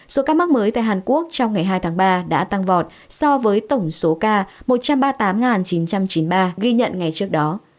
số ca mắc mới tại hàn quốc trong ngày hai tháng ba đã tăng vọt so với tổng số ca một trăm ba mươi tám chín trăm chín mươi ba ghi nhận ngày trước đó